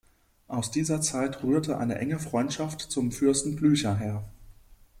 Aus dieser Zeit rührte eine enge Freundschaft zum Fürsten Blücher her.